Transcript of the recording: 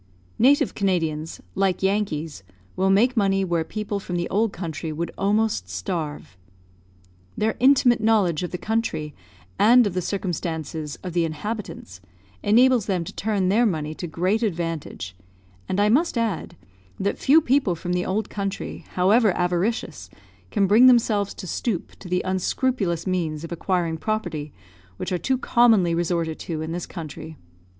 Native Canadians, like Yankees, will make money where people from the old country would almost starve. Their intimate knowledge of the country, and of the circumstances of the inhabitants, enables them to turn their money to great advantage; and I must add, that few people from the old country, however avaricious, can bring themselves to stoop to the unscrupulous means of acquiring property which are too commonly resorted to in this country.